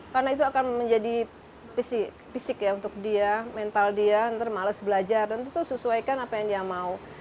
karena itu akan menjadi fisik ya untuk dia mental dia nanti males belajar dan itu sesuaikan apa yang dia mau